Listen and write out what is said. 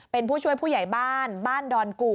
เป็นผู้ช่วยผู้ใหญ่บ้านบ้านดอนกู่